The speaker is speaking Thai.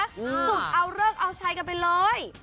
ฝึกเอาเลิกเอาชัยกันไปเลย